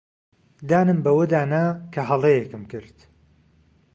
دانم بەوەدا نا کە هەڵەیەکم کرد.